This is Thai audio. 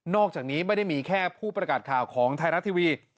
อกจากนี้ไม่ได้มีแค่ผู้ประกาศข่าวของไทยรัฐทีวี